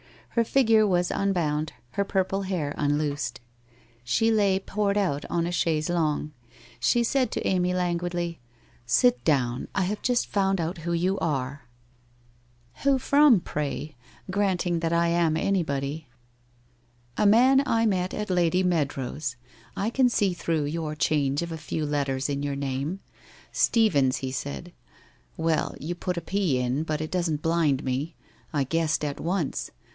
Her figure was unbound, her purple hair unloosed. She lay poured out on a chaise longne. She said to Amy lan guidly :' Sit down. I have just found out who you are." 44 WHITE ROSE OF WEARY LEAF 45 1 Who from, pray— granting that I am anybody ?'' A man I met at Lady Meadrow's. I can see through your change of a few letters in your name. Steevens, he said. Well, you put a p in, but it doesn't blind me. I guessed at once.